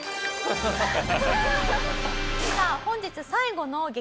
さあ本日最後の激